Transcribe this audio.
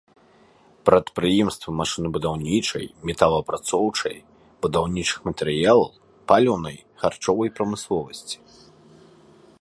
Прадпрыемствы машынабудаўнічай, металаапрацоўчай, будаўнічых матэрыялаў, паліўнай, харчовай прамысловасці.